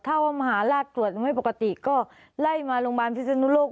ถ้าว่ามหาราชตรวจไม่ปกติก็ไล่มาโรงพยาบาลพิศนุโลก